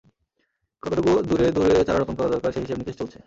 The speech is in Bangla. কতটুকু দূরে দূরে চারা রোপণ করা দরকার সেই হিসেব নিকেশ চলছে।